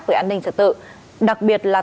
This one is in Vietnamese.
với an ninh trật tự đặc biệt là